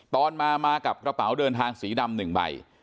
ตอนมามากับกระเป๋าเดินทางสีดำ๑ใบ